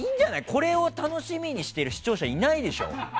これを楽しみにしている視聴者いないでしょ。